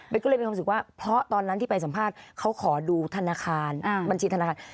เบ็ดก็เลยเป็นความสึกว่าเพราะตอนนั้นที่ไปสัมภาษณ์เขาขอดูบัญชีธนาคาร